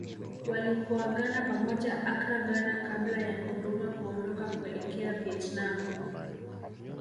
Walipoagana pamoja Accra Ghana kabla ya Nkrumah kuondoka kuelekea Vietnam